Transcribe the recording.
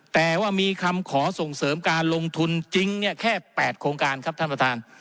แต่ว่ามีคำขอส่งเสริมการลงทุนจริงแค่๘โครงการครับท่านประธาน